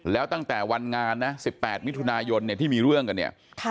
แล้วตั้งแต่วันงานนะ๑๘มิถุนายนเนี่ยที่มีเรื่องกันเนี่ย